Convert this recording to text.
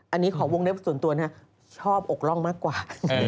อันนี้ขอวงเล็บส่วนตัวนะชอบอกร่องมากกว่า